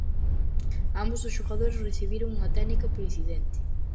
Ambos os xogadores recibiron unha técnica polo incidente.